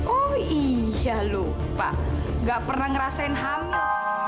oh iya lupa nggak pernah ngerasain hamil